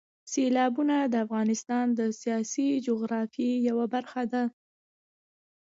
سیلابونه د افغانستان د سیاسي جغرافیې یوه برخه ده.